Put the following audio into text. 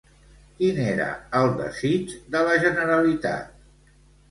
Quin era el desig de la Generalitat?